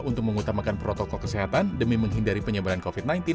untuk mengutamakan protokol kesehatan demi menghindari penyebaran covid sembilan belas